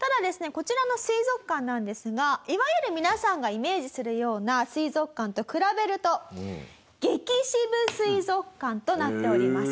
こちらの水族館なんですがいわゆる皆さんがイメージするような水族館と比べると激渋水族館となっております。